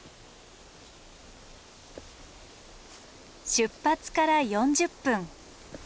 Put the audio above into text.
出発から４０分。